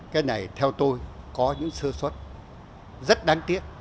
cái này theo tôi có những sơ xuất rất đáng tiếc